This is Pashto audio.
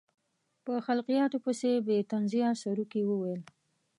په خلقیاتو پسې یې طنزیه سروکي وویل.